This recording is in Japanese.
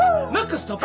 ストップ。